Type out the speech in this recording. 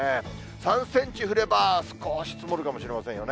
３センチ降れば、少し積もるかもしれませんよね。